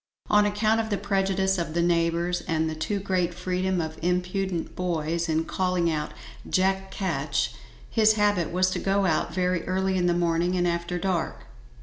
On account of the prejudice of the neighbours, and the too great freedom of impudent boys in calling out "Jack Ketch," his habit was to go out very early in the morning and after dark.